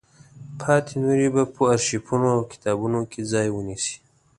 پاتې نورې به په ارشیفونو او کتابونو کې ځای ونیسي.